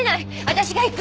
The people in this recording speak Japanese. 私が行く。